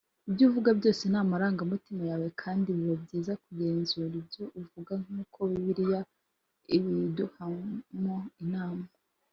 ibyo uvuga byose ni amarangamutima yawe kandi biba byiza kugenzura ibyo uvuga nk’uko bibiliya ibiduhamo inama